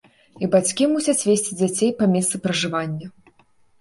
І бацькі мусяць весці дзяцей па месцы пражывання.